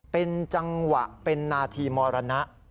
เป็นจังหวะเป็นนาทีมรณะ